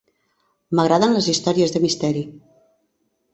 M'agraden les històries de misteri.